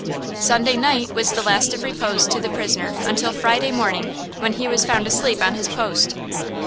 "Sunday night was the last of repose to the prisoner until Friday morning, when he was found asleep on his post.